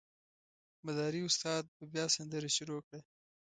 مداري استاد به بیا سندره شروع کړه.